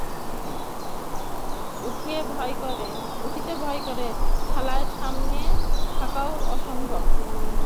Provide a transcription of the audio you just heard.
উঠিতে ভয় করে, থালার সামনে থাকাও অসম্ভব।